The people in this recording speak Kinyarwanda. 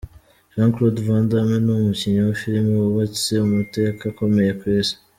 Jean Claude Van Damme ni umukinnyi wa film wubatse amateka akomeye ku Isi.